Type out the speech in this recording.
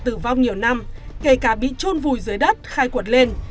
tử vong nhiều năm kể cả bị trôn vùi dưới đất khai quật lên